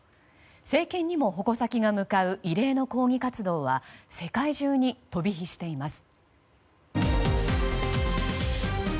政権にも矛先が向かう異例の抗議活動は世界中に飛び火しています。